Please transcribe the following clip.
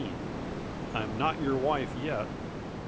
_"I'm Not Your Wife Yet!"